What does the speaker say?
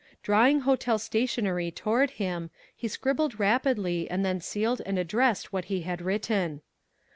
Drawing hotel stationery toward him, he scribbled rapidly and then sealed and addressed what he had written.